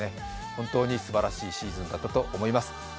本当にすばらしいシーズンだったと思います。